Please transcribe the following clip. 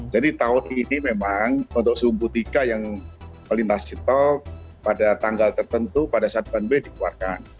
jadi tahun ini memang untuk sumbu tiga yang melintasi tol pada tanggal tertentu pada saat ban b dikeluarkan